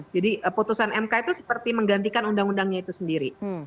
jadi putusan mk itu seperti menggantikan undang undangnya itu sendiri